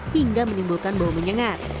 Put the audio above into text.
hingga menimbulkan bau menyengat